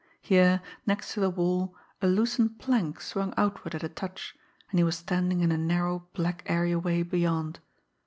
Here, next to the wall, a loosened plank swung outward at a touch, and he was standing in a narrow, black areaway beyond.